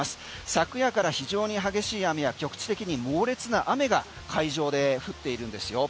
昨夜から非常に激しい雨や局地的に猛烈な雨が海上で降っているんですよ。